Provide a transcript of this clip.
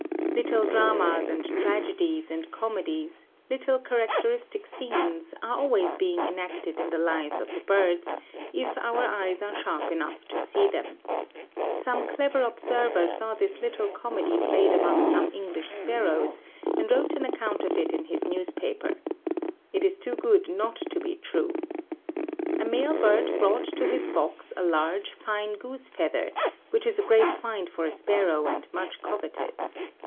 Little dramas and tragedies and comedies, little characteristic scenes, are always being enacted in the lives of the birds, if our eyes are sharp enough to see them. Some clever observer saw this little comedy played among some English sparrows, and wrote an account of it in his newspaper. It is too good not to be true: A male bird brought to his box a large, fine goose feather, which is a great find for a sparrow and much coveted.